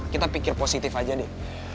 kita pikir positif aja deh